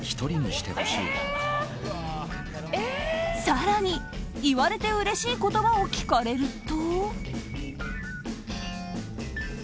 更に、言われてうれしい言葉を聞かれると。